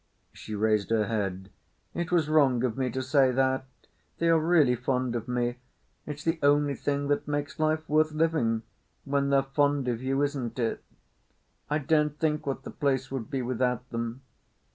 She raised her head. "It was wrong of me to say that. They are really fond of me. It's the only thing that makes life worth living—when they're fond of you, isn't it? I daren't think what the place would be without them.